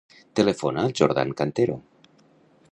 Telefona al Jordan Cantero.